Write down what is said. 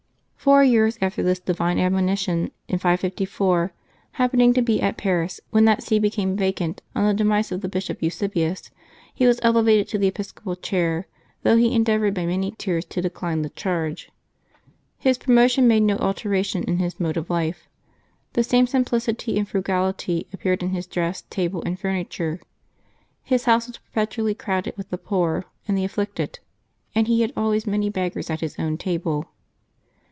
Four years after this divine admonition, in 554, happening to be at Paris when that see became vacant on the demise of the Bishop Eusebius, he was ex alted to the episcopal chair, though he endeavored by many tears to decline the charge. His promotion made no al teration in his mode of life. The same simplicity and frugality appeared in his dress, table, and furniture. His house was perpetually crowded with the poor and the af flicted, and he had always many beggars at his own table.